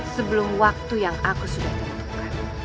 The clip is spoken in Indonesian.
sebelum waktu yang aku sudah temukan